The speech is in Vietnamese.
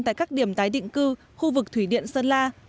tại các điểm tái định cư khu vực thủy điện sơn la